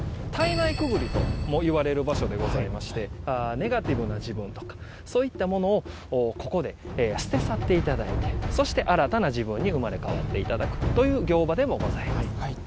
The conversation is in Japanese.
胎内くぐりともいわれる場所でございましてネガティブな自分とかそういったものをここで捨て去っていただいてそして新たな自分に生まれ変わっていただくという行場でもございます。